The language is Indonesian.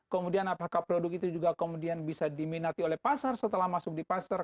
kemudian apakah produk itu juga kemudian bisa diminati oleh pasar setelah masuk di pasar